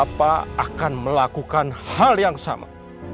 siapa akan melakukan hal yang sama